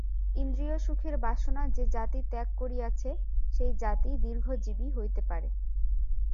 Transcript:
ইন্দ্রিয়-সুখের বাসনা যে-জাতি ত্যাগ করিয়াছে, সেই জাতিই দীর্ঘজীবী হইতে পারে।